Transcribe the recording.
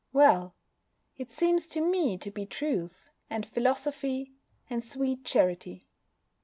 Well! It seems to me to be truth, and philosophy, and sweet charity.